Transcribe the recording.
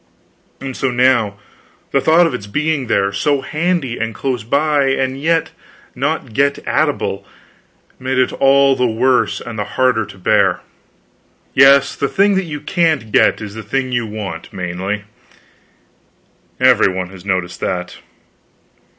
And so now, the thought of its being there, so handy and close by, and yet not get at able, made it all the worse and the harder to bear. Yes, the thing that you can't get is the thing that you want, mainly; every one has noticed that.